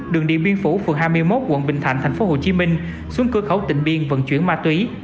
đường điện biên phủ phường hai mươi một quận bình thạnh thành phố hồ chí minh xuống cửa khẩu tỉnh biên vận chuyển ma túy